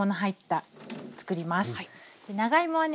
長芋はね